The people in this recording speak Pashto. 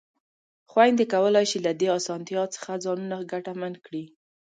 خویندې کولای شي له دې اسانتیا څخه ځانونه ګټمن کړي.